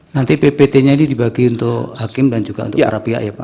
nanti ppt nya ini dibagi untuk hakim dan juga untuk para pihak ya pak